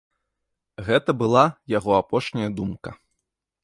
Гэта была яго апошняя думка.